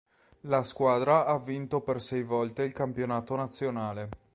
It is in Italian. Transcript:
La squadra ha vinto per sei volte il campionato nazionale.